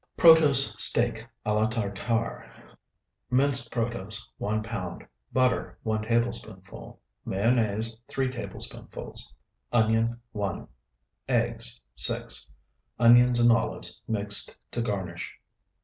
PROTOSE STEAK A LA TARTARE Minced protose, 1 pound. Butter, 1 tablespoonful. Mayonnaise, 3 tablespoonfuls. Onion, 1. Eggs, 6. Onions and olives mixed, to garnish.